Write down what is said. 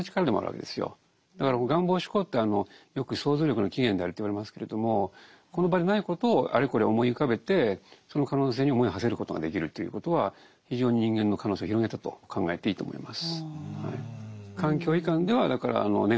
だから「願望思考」ってよく想像力の起源であると言われますけれどもこの場でないことをあれこれ思い浮かべてその可能性に思いをはせることができるということは非常に人間の可能性を広げたと考えていいと思います。